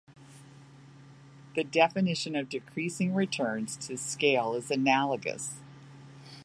The definition of decreasing returns to scale is analogous.